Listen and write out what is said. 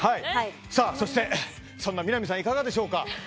そしてそんな南さんいかがでしょうか。